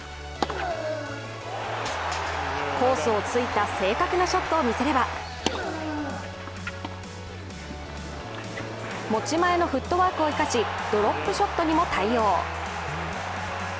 コースを突いた正確なショットを見せれば、持ち前のフットワークを生かしドロップショットにも対応。